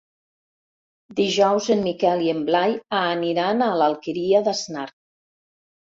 Dijous en Miquel i en Blai aniran a l'Alqueria d'Asnar.